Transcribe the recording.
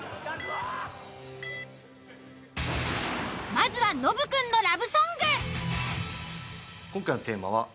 まずはノブくんのラブソング。